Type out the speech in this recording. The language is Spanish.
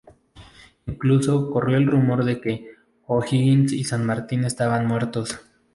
Incluso corrió el rumor de que O'Higgins y San Martín estaban muertos.